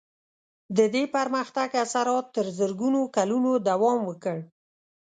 د دې پرمختګ اثرات تر زرګونو کلونو دوام وکړ.